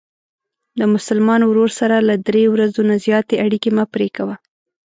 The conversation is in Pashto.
د مسلمان ورور سره له درې ورځو نه زیاتې اړیکې مه پری کوه.